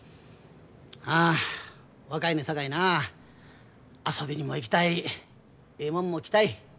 ああ若いのやさかいな遊びにも行きたいええもんも着たい。